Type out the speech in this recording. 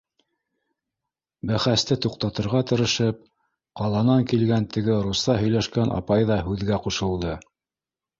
— Бәхәсте туҡтатырға тырышып, ҡаланан килгән теге русса һөйләшкән апай ҙа һүҙгә ҡушылды.